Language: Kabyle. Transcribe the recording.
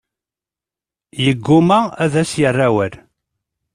Yeggumma ad as-yerr awal.